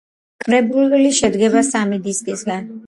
კრებული შედგება სამი დისკისგან.